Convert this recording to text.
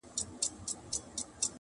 o توزنه هيله د خداى د کرمه وتلې ده٫